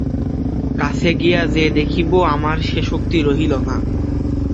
কাছে গিয়া যে দেখিব আমার সে শক্তি রহিল না।